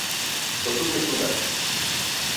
Kosuke Suda